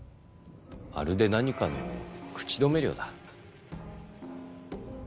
まるで何かの口止め料だ。